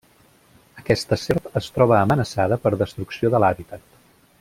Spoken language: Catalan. Aquesta serp es troba amenaçada per destrucció de l'hàbitat.